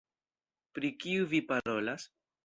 Pri kiu vi parolas?